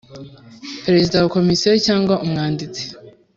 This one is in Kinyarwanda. Perezida wa Komisiyo cyangwa umwanditsi